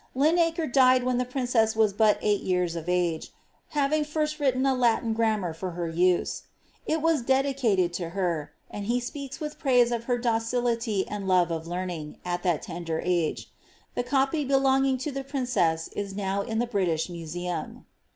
Linacre died when the princess was but eight years of age, having first written a Latin grammar for her use. It was dedicated to her, and he speaks with praise ol her docility and love of learning, at that tender age. The copy be longing to the princess is now in the British Museum.